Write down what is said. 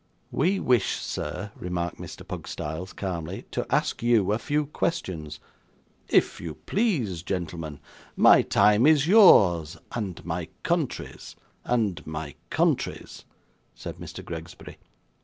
'We wish, sir,' remarked Mr. Pugstyles, calmly, 'to ask you a few questions.' 'If you please, gentlemen; my time is yours and my country's and my country's ' said Mr. Gregsbury.